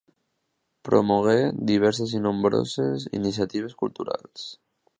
Promogué diverses i nombroses iniciatives culturals.